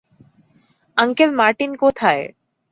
Uncle Martin কোথায়?